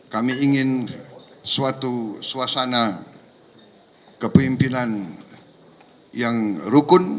kami ingin suatu suasana kepemimpinan yang rukun